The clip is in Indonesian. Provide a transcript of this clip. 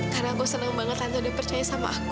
karena aku senang banget tante sudah percaya sama aku